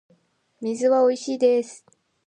水はおいしいです